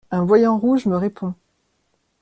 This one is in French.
Un voyant rouge me répond.